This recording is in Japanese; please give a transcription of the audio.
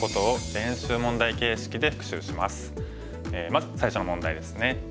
まず最初の問題ですね。